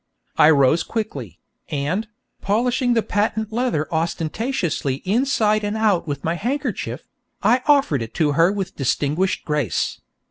I rose quickly, and, polishing the patent leather ostentatiously inside and out with my handkerchief, I offered it to her with distinguished grace.